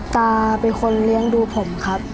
ตาเป็นคนเลี้ยงดูผมครับ